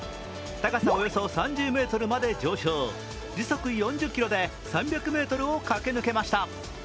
高さおよそ３０ｍまで上昇、時速４０キロで３００ｍを駆け抜けました。